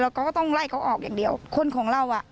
เขาก็ต้องไล่เขาออกอย่างเดียวคนของเราอ่ะ